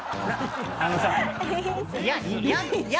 あのさ「や？」